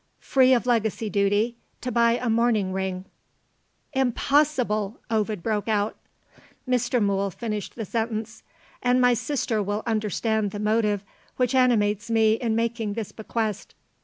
"'Free of legacy duty, to buy a mourning ring "' "Impossible!" Ovid broke out. Mr. Mool finished the sentence. "'And my sister will understand the motive which animates me in making this bequest."